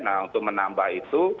nah untuk menambah itu